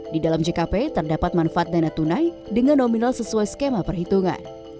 di dalam jkp terdapat manfaat dana tunai dengan nominal sesuai skema perhitungan